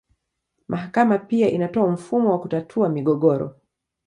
Mahakama pia inatoa mfumo wa kutatua migogoro.